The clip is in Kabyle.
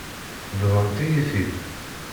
Bḍant-iyi-t-id.